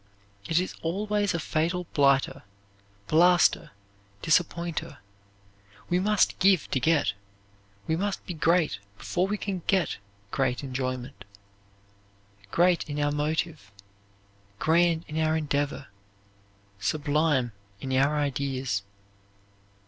It is always a fatal blighter, blaster, disappointer. We must give to get, we must be great before we can get great enjoyment; great in our motive, grand in our endeavor, sublime in our ideas.